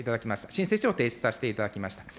申請書を提出させていただきました。